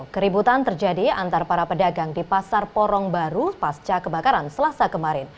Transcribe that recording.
keributan terjadi antara para pedagang di pasar porong baru pasca kebakaran selasa kemarin